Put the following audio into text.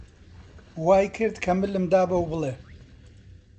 وای کرد کە ملم دا بەو بڵێ